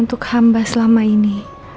untuk hamba selama ini